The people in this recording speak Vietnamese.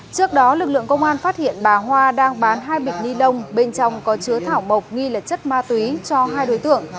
trước đó lực lượng công an phát hiện bà hoa đang bán hai bịch ni lông bên trong có chứa thảo bộc nghi là chất ma túy cho hai đối tượng